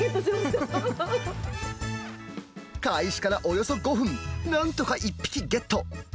開始からおよそ５分、なんとか１匹ゲット。